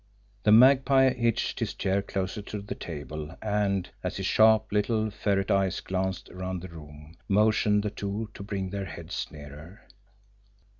The Magpie hitched his chair closer to the table and, as his sharp, little, ferret eyes glanced around the room, motioned the two to brings their heads nearer.